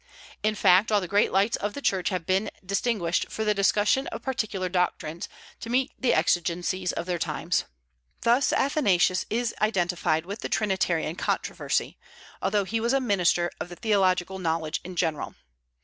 In fact all the great lights of the Church have been distinguished for the discussion of particular doctrines to meet the exigencies of their times. Thus Athanasius is identified with the Trinitarian controversy, although he was a minister of theological knowledge in general.